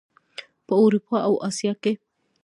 په اروپا او اسیا کې.